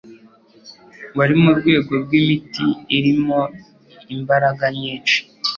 wari mu rwego rw’imiti irimo imbaraganyishi